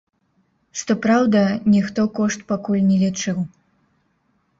Што праўда, ніхто кошт пакуль не лічыў.